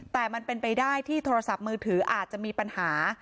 แต่มันเป็นไปได้ที่โทรศัพท์มือถืออาจจะมีปัญหา